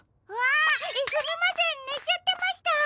あっすみませんねちゃってました！